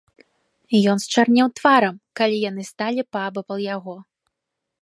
Ён счарнеў тварам, калі яны сталі паабапал яго.